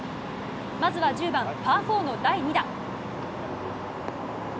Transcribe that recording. まずは１０番、パー４の第２打。